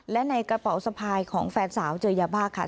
และในกระเป๋าสะพายของแฟนสาวเจอยาบ้าค่ะ